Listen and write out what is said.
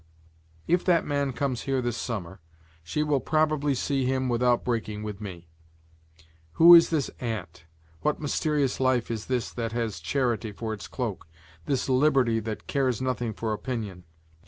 If that man comes here this summer, she will probably see him without breaking with me. Who is that aunt, what mysterious life is this that has charity for its cloak, this liberty that cares nothing for opinion?